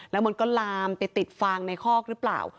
และมันก็รามไปติดฝังในคอกรึเปล่า